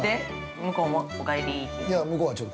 向こうもお帰りって。